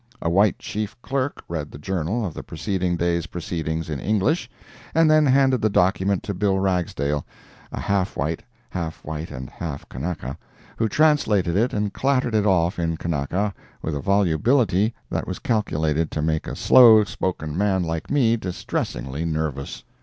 A white Chief Clerk read the Journal of the preceding day's proceedings in English, and then handed the document to Bill Ragsdale, a "half white" (half white and half Kanaka), who translated and clattered it off in Kanaka with a volubility that was calculated to make a slow spoken man like me distressingly nervous.